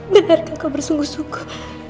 benarkah kau bersungguh sungguh